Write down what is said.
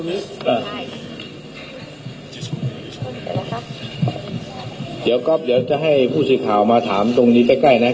สุดท้ายหนึ่งคนมานี่เลยถามเขาเลยตรงนี้ใช่